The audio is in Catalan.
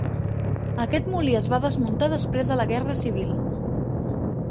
Aquest molí es va desmuntar després de la Guerra Civil.